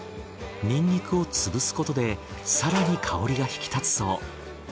ニンニクをつぶすことで更に香りが引き立つそう。